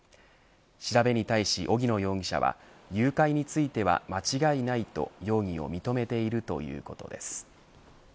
調べに対し、荻野容疑者は誘拐については間違いないと容疑を認めているということです。